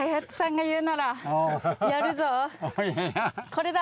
これだ！